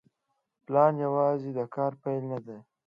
پلان یوازې د کار پیل دی.